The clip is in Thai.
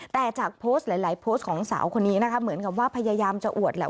แต่จากโพสต์หลายโพสต์ของสาวคนนี้นะคะเหมือนกับว่าพยายามจะอวดแหละ